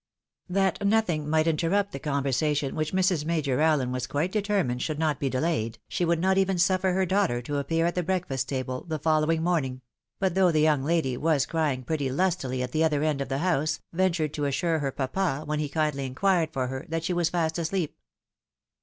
That nothing might interrupt the conversation which Mrs. Major Allen was quite determined should not be delayed, she would not even suffer her daughter to appear at the breakfast table the following morning ; but, though the young lady was crying pretty lustily at the other end of the house, ventured to assure her papa, when he kindly inquired for her, that she was fast asleep.